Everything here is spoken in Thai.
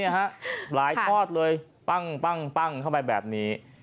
หลายทอดเลยปั้งเข้าไปแบบนี้